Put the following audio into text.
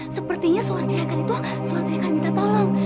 sepertinya suara teriakan itu suara teriakan minta tolong